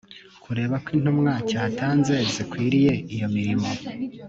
Kureba ko intumwa cyatanze zikwiriye iyo mirimo